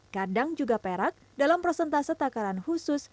kadang juga perak dalam prosentase takaran khusus